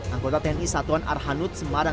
anggota tni satuan arhanud semarang